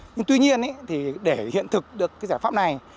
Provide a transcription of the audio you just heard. nhưng tuy nhiên để hiện thực được giải pháp này